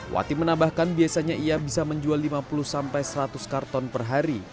wati menambahkan biasanya ia bisa menjual lima puluh sampai seratus karton per hari